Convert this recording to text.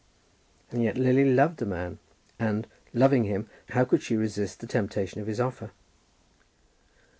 And yet Lily loved the man; and, loving him, how could she resist the temptation of his offer?